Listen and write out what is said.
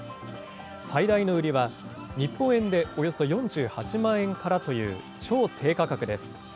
最大の売りは、日本円でおよそ４８万円からという超低価格です。